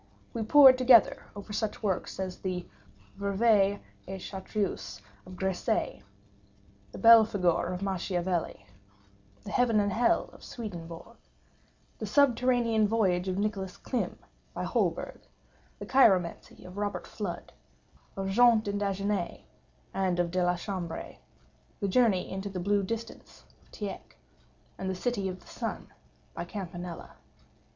We pored together over such works as the Ververt et Chartreuse of Gresset; the Belphegor of Machiavelli; the Heaven and Hell of Swedenborg; the Subterranean Voyage of Nicholas Klimm by Holberg; the Chiromancy of Robert Flud, of Jean D'Indaginé, and of De la Chambre; the Journey into the Blue Distance of Tieck; and the City of the Sun of Campanella.